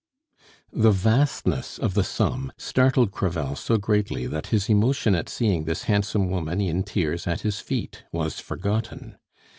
The vastness of the sum startled Crevel so greatly that his emotion at seeing this handsome woman in tears at his feet was forgotten.